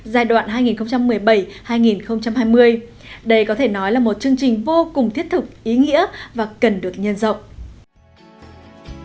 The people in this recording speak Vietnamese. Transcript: đây cũng là mô hình cần được nhân rộng để góp phần thực hiện mục tiêu giảm nghèo và xây dựng nông thương mới